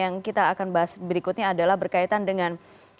yang kita akan bahas berikutnya adalah berkaitan dengan